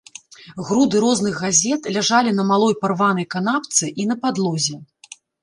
Груды розных газет ляжалі на малой парванай канапцы і на падлозе.